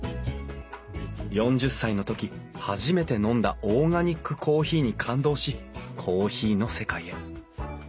４０歳の時初めて飲んだオーガニックコーヒーに感動しコーヒーの世界へ。